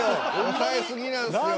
抑え過ぎなんですよ。